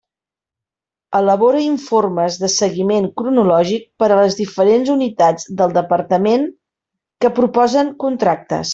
Elabora informes de seguiment cronològic per a les diferents unitats del Departament que proposen contractes.